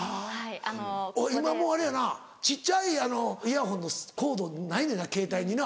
今もうあれやな小っちゃいイヤホンのコードないねんなケータイにな。